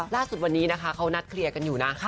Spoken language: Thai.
ล่าสุดวันนี้นะคะเขานัดเคลียร์กันอยู่นะ